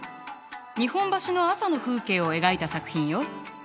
日本橋の朝の風景を描いた作品よ。